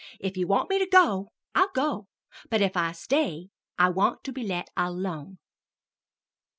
If you want me to go, I'll go; but if I stay, I want to be let alone!"